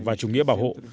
và chủ nghĩa bảo hộ